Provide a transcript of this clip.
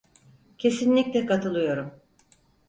Kesinlikle katılıyorum.